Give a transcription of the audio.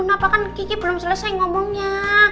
kenapa kan kiki belum selesai ngomongnya